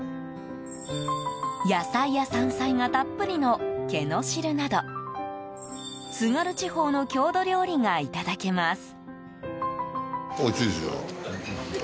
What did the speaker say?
野菜や山菜がたっぷりのけの汁など津軽地方の郷土料理がいただけます。